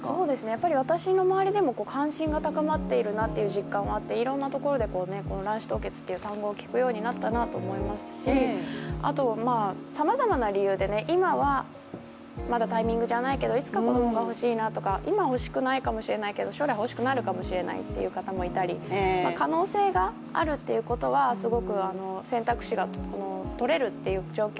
やっぱり私の周りにも関心が高まっているなという実感があっていろんなところで卵子凍結っていう単語を聞くようになったなと思いますしあと、さまざまは理由で、今はまだタイミングじゃないけどいつか子供がほしいなとか、今ほしくないかもしれないけど将来ほしくなるかもしれないという方もいたり可能性があるっていうことはすごく選択肢がとれるっていう状況